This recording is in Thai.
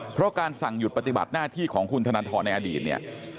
เพราะการสั่งหยุดปฏิบัติหน้าที่ของคุณธนทรในอดีตเนี่ย